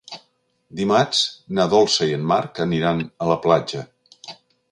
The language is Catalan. Dimarts na Dolça i en Marc aniran a la platja.